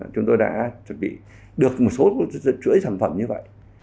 chúng tôi đã chuẩn bị được một số chuỗi sản phẩm như vậy